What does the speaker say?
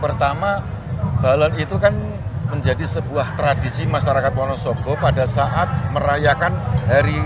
pertama balon itu kan menjadi sebuah tradisi masyarakat wonosobo pada saat merayakan hari